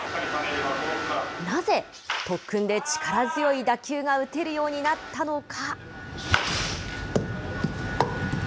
なぜ、特訓で力強い打球が打てるようになったのか。